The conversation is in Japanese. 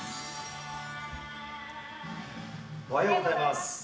おはようございます。